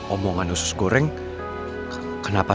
omongan sus goreng kenapa terjadi